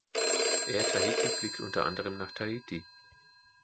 Air Tahiti fliegt unter anderem nach Tahiti.